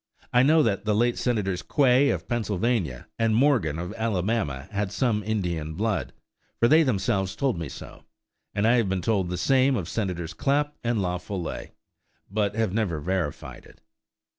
I know that the late Senators Quay of Pennsylvania and Morgan of Alabama had some Indian blood, for they themselves told me so; and I have been told the same of Senators Clapp and La Follette, but have never verified it.